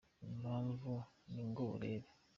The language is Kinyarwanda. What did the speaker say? Impamvu ni ngo urebe!